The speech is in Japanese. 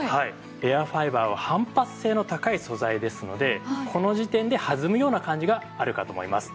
エアファイバーは反発性の高い素材ですのでこの時点で弾むような感じがあるかと思います。